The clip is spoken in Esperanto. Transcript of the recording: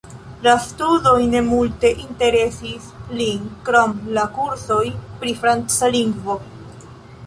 La studoj ne multe interesis lin krom la kursoj pri franca lingvo.